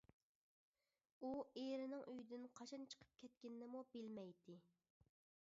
ئۇ ئېرىنىڭ ئۆيدىن قاچان چىقىپ كەتكىنىنىمۇ بىلمەيتتى.